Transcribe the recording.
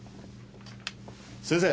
先生。